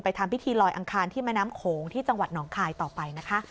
ทำพิธีลอยอังคารที่แม่น้ำโขงที่จังหวัดหนองคายต่อไปนะคะ